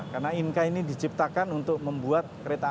karena inka ini diciptakan untuk membuat kereta api